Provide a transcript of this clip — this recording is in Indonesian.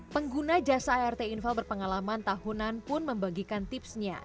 pengguna jasa art infal berpengalaman tahunan pun membagikan tipsnya